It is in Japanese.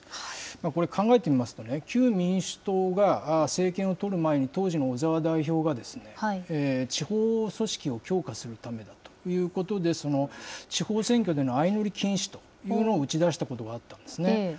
これ、考えてみますと、旧民主党が政権を取る前に、当時の小沢代表が、地方組織を強化するためだということで、地方選挙での相乗り禁止というのを打ち出したことがあったんですね。